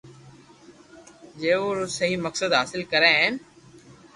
جيون رو سھي مقصد حاصل ڪري ھين